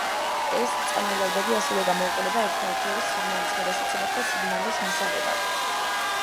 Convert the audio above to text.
ეს წანაზარდები ასევე გამოიყენება ერთმანეთს შორის სიგნალის გადასაცემად და სიგნალის მისაღებად.